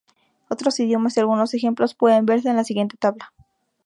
Otros idiomas y algunos ejemplos pueden verse en la siguiente tabla.